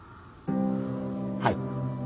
はい。